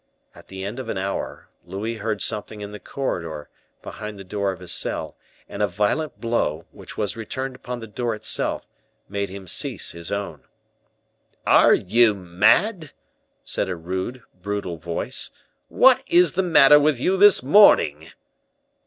At the end of an hour, Louis heard something in the corridor, behind the door of his cell, and a violent blow, which was returned upon the door itself, made him cease his own. "Are you mad?" said a rude, brutal voice. "What is the matter with you this morning?"